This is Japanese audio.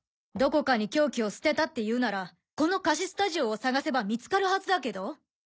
どこかに凶器を捨てたって言うならこの貸しスタジオを探せば見つかるはずだけど？